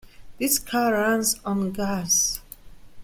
This car runs on gas.